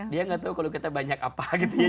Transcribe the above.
dia nggak tahu kalau kita banyak apa gitu ya